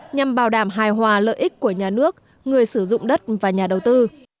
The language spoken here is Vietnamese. nhằm bảo đảm hài hòa lợi ích của nhà nước người sử dụng đất và nhà đầu tư